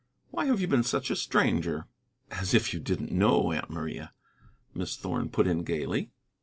Why have you been such a stranger?" "As if you didn't know, Aunt Maria," Miss Thorn put in gayly.